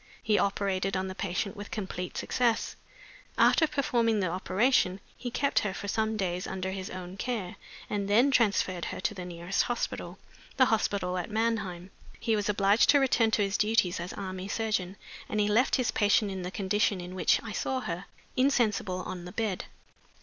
He operated on the patient with complete success. After performing the operation he kept her for some days under his own care, and then transferred her to the nearest hospital the hospital at Mannheim. He was obliged to return to his duties as army surgeon, and he left his patient in the condition in which I saw her, insensible on the bed.